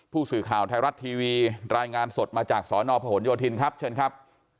ผู้สื่อข่าวไทยรัฐทีวีรายงานสดมาจากสนพหนโยธินครับเชิญครับ